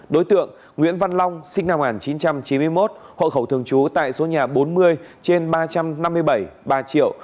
đối tượng nguyễn văn long sinh năm một nghìn chín trăm chín mươi một hộ khẩu thường trú tại số nhà bốn mươi trên ba trăm năm mươi bảy ba triệu